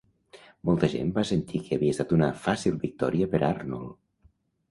Molta gent va sentir que havia estat una fàcil victòria per Arnold.